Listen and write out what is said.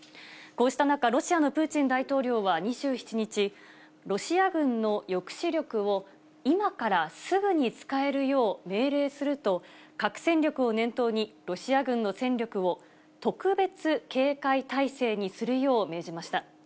こうした中、ロシアのプーチン大統領は２７日、ロシア軍の抑止力を今からすぐに使えるよう命令すると、核戦力を念頭に、ロシア軍の戦力を特別警戒態勢にするよう命じました。